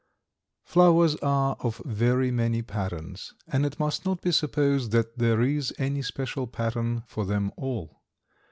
Flowers are of very many patterns, and it must not be supposed that there is any special pattern for them all.